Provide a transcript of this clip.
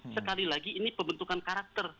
sekali lagi ini pembentukan karakter